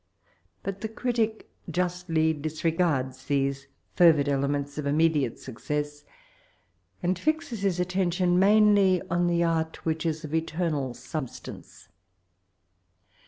Bot the critic jodUy disregards these ferrid dements of Immediate soccess, and fixes his at teotion malnlv on the art which is of eternal snbstaDoe.